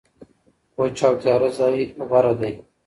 وچه او تیاره ځای غوره دی.